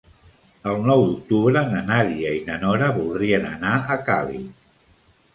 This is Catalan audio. El nou d'octubre na Nàdia i na Nora voldrien anar a Càlig.